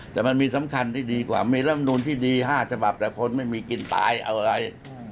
แต่มันมีสำคัญที่ดีกว่ามีรำนูนที่ดี๕ฉบับแต่คนไม่มีกินตายเอาอะไร